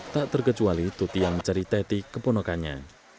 tak terkecuali tuti yang mencari teti keponokannya